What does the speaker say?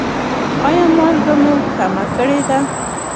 ایا مالګه مو کمه کړې ده؟